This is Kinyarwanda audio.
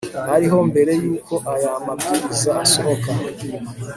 ariho mbere y uko aya mabwiriza asohoka